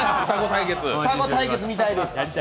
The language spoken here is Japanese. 双子対決、見たいですね。